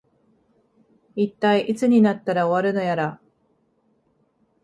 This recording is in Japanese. いったい、いつになったら終わるのやら